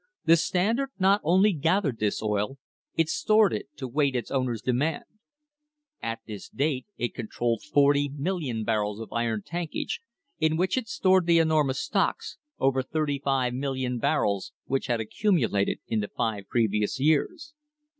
The Standard not only gathered this oil ; it stored it, to wait its owner's demand. At this date it controlled 40,000,000 bar rels of iron tankage, in which it stored the enormous stocks, over 35,000,000 barrels, which had accumulated in the five pre vious years.